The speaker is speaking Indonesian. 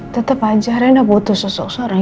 tetap aja rena butuh seseorang